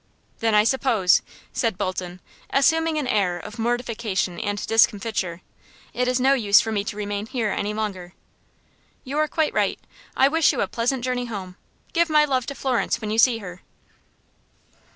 "Then, I suppose," said Bolton, assuming an air of mortification and discomfiture, "it is no use for me to remain here any longer." "You are quite right. I wish you a pleasant journey home. Give my love to Florence when you see her."